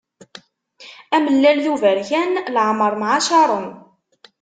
Amellal d uberkan leɛmeṛ mɛacaṛen.